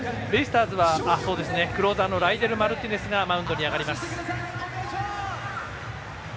クローザーのライデル・マルティネスがマウンドに上がります。